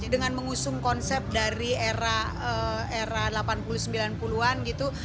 dengan mengusung konsep dari era delapan puluh sembilan puluh an gitu